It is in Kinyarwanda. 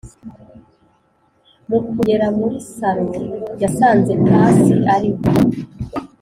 mukugera muri salo yasanze pasi ariho